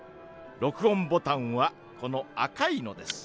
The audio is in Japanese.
録音ボタンはこの赤いのです。